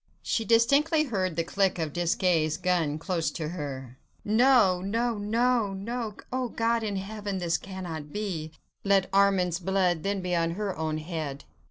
.. She distinctly heard the click of Desgas' gun close to her. ... No! no! no! no! Oh, God in heaven! this cannot be! let Armand's blood then be upon her own head!